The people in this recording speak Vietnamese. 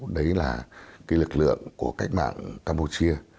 đấy là cái lực lượng của cách mạng campuchia